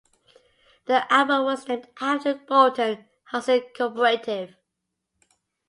The album was named after a Bolton housing co-operative.